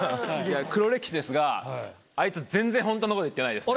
黒歴史ですがあいつ全然本当のこと言ってないですね。